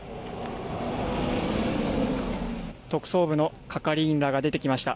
特捜部の係員らが出てきました。